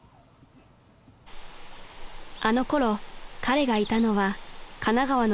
［あのころ彼がいたのは神奈川の山奥］